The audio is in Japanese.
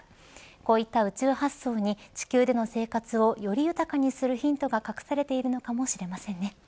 こういった宇宙発想に地球での生活をより豊かにするヒントが隠されているのかもしれませんね。